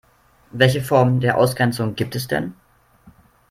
Welche Formen der Ausgrenzung gibt es denn?